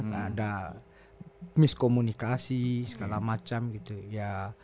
nah ada miskomunikasi segala macam gitu ya